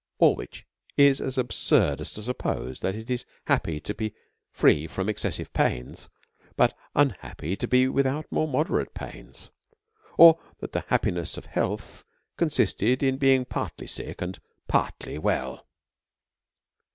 All which is as absurd as to suppose that it is happy to be free from excessive pains, but unhappy to be without more moderate pains ; or that the happiness of health consisted in be ing' partly sick and partly well.